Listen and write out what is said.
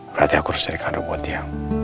berarti aku harus cari kado buat dia